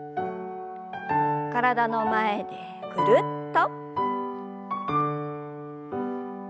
体の前でぐるっと。